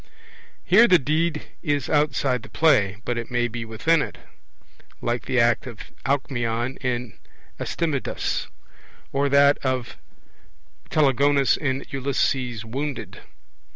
Here the deed is outside the play; but it may be within it, like the act of the Alcmeon in Astydamas, or that of the Telegonus in Ulysses Wounded.